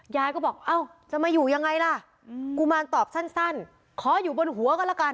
ยายก็บอกเอ้าจะมาอยู่ยังไงล่ะกุมารตอบสั้นขออยู่บนหัวกันละกัน